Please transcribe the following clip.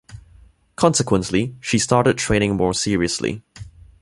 Consequently, she started training more seriously.